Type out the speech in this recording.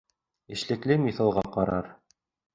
Эшлекле миҫалға ҡарар